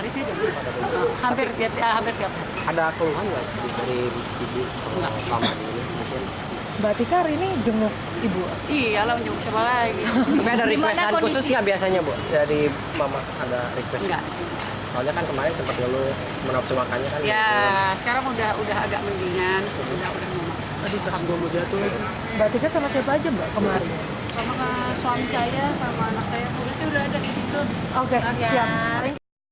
sekarang sudah agak mendingan